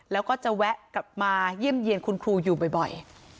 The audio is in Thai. แล้วก็จะแวะกลับมาเยี่ยมเยี่ยมคุณครูอยู่บ่อย